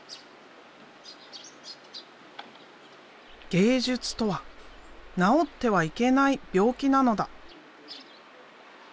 「芸術とは治ってはいけない病気なのだ」。